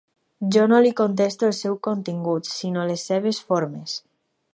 Jo no li contesto el seu contingut, sinó les seves formes.